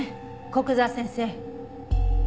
古久沢先生。